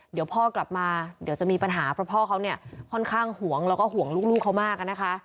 เดี๋ยวพ่อกลับมาเดี๋ยวจะมีปัญหาเพราะพ่อเขาเนี่ยค่อนข้างห่วงแล้วก็ห่วงลูกเขามากนะคะ